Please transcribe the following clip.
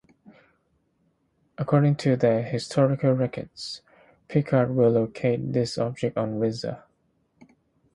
According to their historical records, Picard will locate this object on Risa.